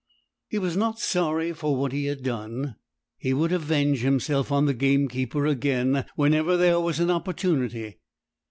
He was not sorry for what he had done; he would avenge himself on the gamekeeper again whenever there was an opportunity.